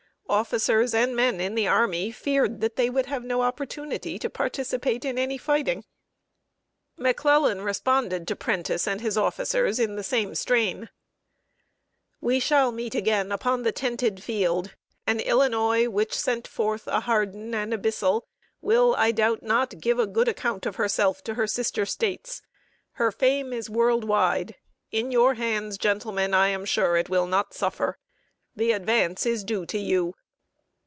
Officers and men in the army feared they would have no opportunity to participate in any fighting! McClellan responded to Prentiss and his officers in the same strain: "We shall meet again upon the tented field; and Illinois, which sent forth a Hardin and a Bissell, will, I doubt not, give a good account of herself to her sister States. Her fame is world wide: in your hands, gentlemen, I am sure it will not suffer. The advance is due to you."